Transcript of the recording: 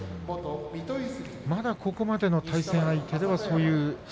まだここまでの対戦相手ではまだそういう。